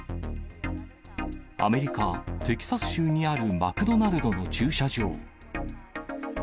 アメリカ・テキサス州にあるマクドナルドの駐車場。